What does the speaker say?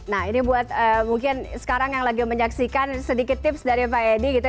nah ini buat mungkin sekarang yang lagi menyaksikan sedikit tips dari pak edi gitu